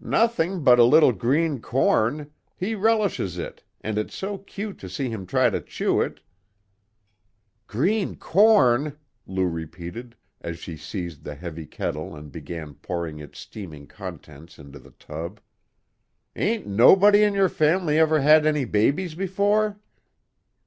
"Nothing but a little green corn. He relishes it, and it's so cute to see him try to chew it " "Green corn!" Lou repeated, as she seized the heavy kettle and began pouring its steaming contents into the tub. "Ain't nobody in your family ever had any babies before?"